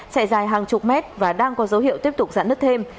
chạy dài hàng chục mét và đang có dấu hiệu tiếp tục giãn nứt thêm